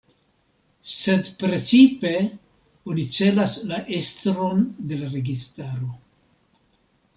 Sed precipe oni celas la estron de la registaro.